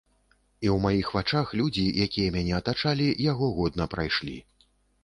І ў маіх вачах людзі, якія мяне атачалі, яго годна прайшлі.